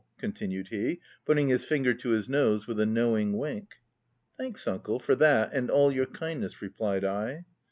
continued he, putting his finger to his nose, with a knowing wink. " Thanks uncle, for that and all your kind ness/' replied I.